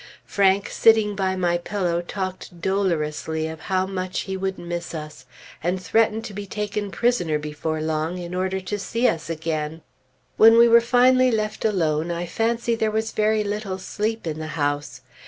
Frank, sitting by my pillow, talked dolorously of how much he would miss us, and threatened to be taken prisoner before long in order to see us again. When we were finally left alone, I fancy there was very little sleep in the house.